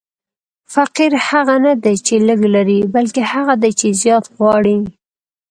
فقیر هغه نه دئ، چي لږ لري؛ بلکي هغه دئ، چي زیات غواړي.